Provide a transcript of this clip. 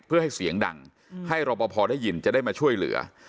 เพื่อให้เสียงดังให้รอปภได้ยินจะได้มาช่วยเหลือ